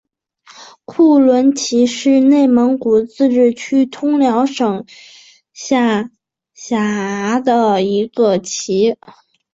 库伦旗是内蒙古自治区通辽市下辖的一个旗。